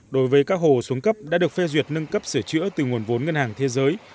đối với các hồ xuống cấp đã được phê duyệt nâng cấp sửa chữa từ nguồn vốn ngân hàng thế giới